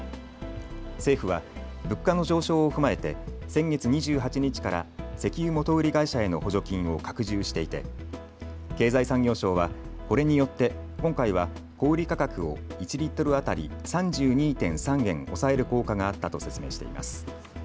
政府は物価の上昇を踏まえて先月２８日から石油元売り会社への補助金を拡充していて、経済産業省はこれによって今回は小売価格を１リットル当たり３２．３円抑える効果があったと説明しています。